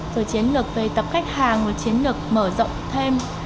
rồi chiến lược về tập khách hàng rồi chiến lược mở rộng thêm